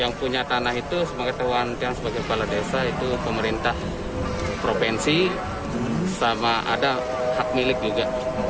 yang punya tanah itu sebagai kewantian sebagai kepala desa itu pemerintah provinsi sama ada hak milik juga